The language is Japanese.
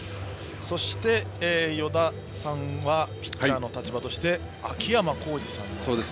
そして、与田さんはピッチャーの立場として秋山幸二さんを。